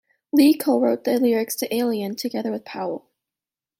Lee co-wrote the lyrics for "Alien" together with Powell.